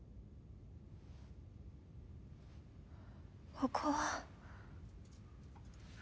ここは？